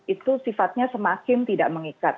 itu sifatnya semakin tidak mengikat